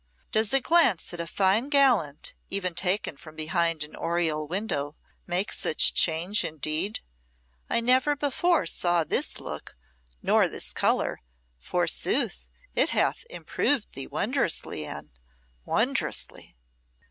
Does a glance at a fine gallant, even taken from behind an oriel window, make such change indeed? I never before saw this look, nor this colour, forsooth; it hath improved thee wondrously, Anne wondrously."